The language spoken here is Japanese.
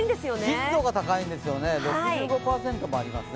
湿度が高いんですよね、６５％もありますね。